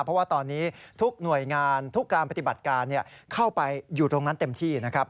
เพราะว่าตอนนี้ทุกหน่วยงานทุกการปฏิบัติการเข้าไปอยู่ตรงนั้นเต็มที่นะครับ